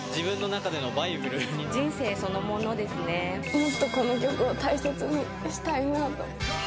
もっと、この曲を大切にしたいなと。